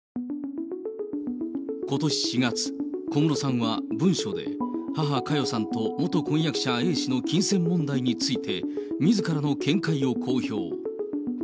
ことし４月、小室さんは文書で母、佳代さんと元婚約者Ａ氏の金銭問題について、みずからの見解を公表。